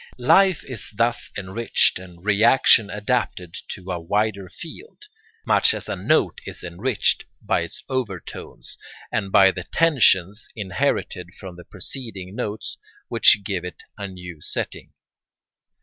Life is thus enriched and reaction adapted to a wider field; much as a note is enriched by its overtones, and by the tensions, inherited from the preceding notes, which give it a new setting.